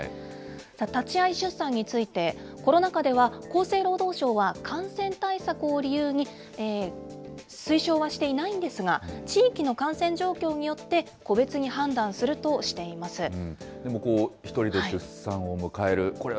立ち会い出産について、コロナ禍では厚生労働省は、感染対策を理由に、推奨はしていないんですが、地域の感染状況によって、個別に１人で出産を迎える、これは